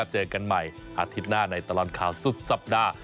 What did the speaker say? เจอกันใหม่อาทิตย์หน้าในตลอดข่าวสุดสัปดาห์